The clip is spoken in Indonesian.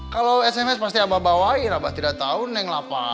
kalau sms pasti abah bawain abah tidak tahu neng lapa